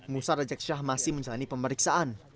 musa rajeksah masih menjalani pemeriksaan